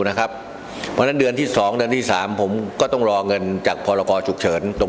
เพราะฉะนั้นเดือนที่๒สามผมก็ต้องรอยงานจากพลครกษ